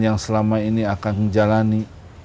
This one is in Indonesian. yang selama ini akan menjalani